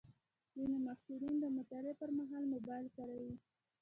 ځینې محصلین د مطالعې پر مهال موبایل کاروي.